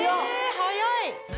早い！